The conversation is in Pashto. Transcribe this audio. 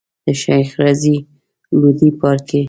د شيخ رضی لودي پاړکی.